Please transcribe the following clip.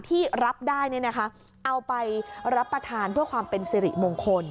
ที่รับได้เอาไปรับประทานเพื่อความเป็นสิริมงคล